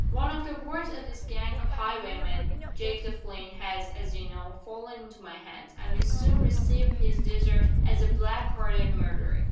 One of the worst of this gang of highwaymen, Jake the Flint, has, as you know, fallen into my hands, and will soon receive his deserts as a black hearted murderer.